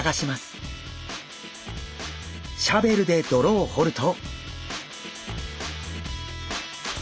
シャベルで泥を掘ると。